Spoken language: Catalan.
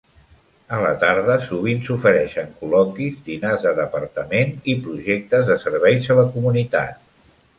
A la tarda sovint s'ofereixen col·loquis, dinars de departament i projectes de serveis a la comunitat.